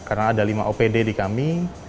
karena ada lima opd di kami